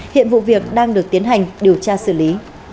hiện vụ việc đang được tiến hành điều tra xử lý